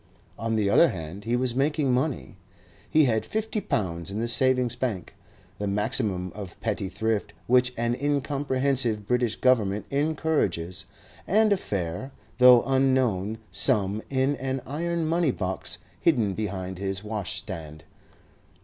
On the other hand he was making money. He had fifty pounds in the Savings Bank, the maximum of petty thrift which an incomprehensive British Government encourages, and a fair, though unknown, sum in an iron money box hidden behind his washstand.